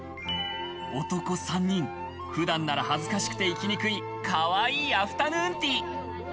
男３人、普段なら恥ずかしくて行きにくい、かわいいアフタヌーンティー。